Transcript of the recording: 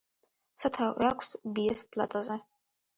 სათავე აქვს ბიეს პლატოზე.